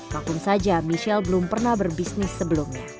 vakum saja michelle belum pernah berbisnis sebelumnya